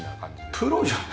プロじゃん！